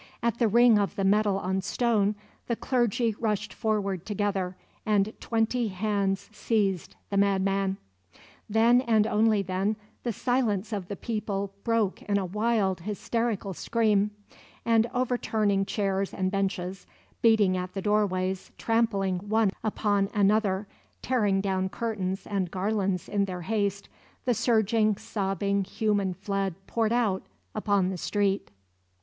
At the ring of the metal on stone the clergy rushed forward together, and twenty hands seized the madman. Then, and only then, the silence of the people broke in a wild, hysterical scream; and, overturning chairs and benches, beating at the doorways, trampling one upon another, tearing down curtains and garlands in their haste, the surging, sobbing human flood poured out upon the street.